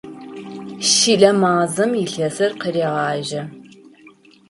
Щылэ мазэм илъэсыр къырегъажьэ.